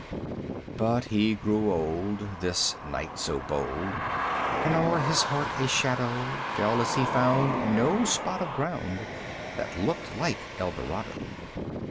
But he grew old, This knight so bold, And o'er his heart a shadow Fell as he found 10 No spot of ground That looked like Eldorado.